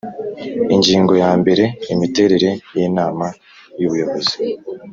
Ingingo ya mbere Imiterere y Inama y Ubuyobozi